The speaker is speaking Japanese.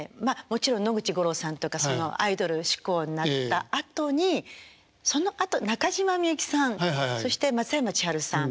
もちろん野口五郎さんとかそのアイドル志向になったあとにそのあと中島みゆきさんそして松山千春さん